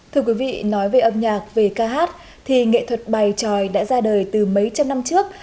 thưa quý vị nói về âm nhạc về ca hát thì nghệ thuật bài tròi đã ra đời từ mấy trăm năm trước